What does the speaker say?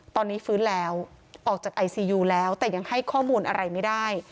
ตอนนี้ฟื้นแล้วออกจากไอซียูแล้วแต่ยังให้ข้อมูลอะไรไม่ได้